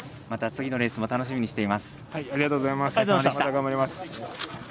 また次のレースも楽しみにしています。